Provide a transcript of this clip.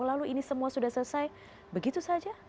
lalu ini semua sudah selesai begitu saja